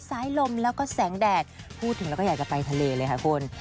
ลมแล้วก็แสงแดดพูดถึงแล้วก็อยากจะไปทะเลเลยค่ะคุณ